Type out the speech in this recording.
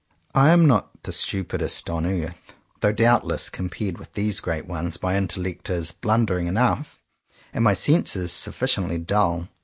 I am not the stupidest on earth; though doubtless, compared with these great ones, my intellect is blundering enough, and my senses sufficiently dull.